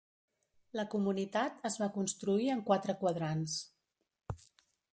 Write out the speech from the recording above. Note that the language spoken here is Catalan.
La comunitat es va construir en quatre quadrants.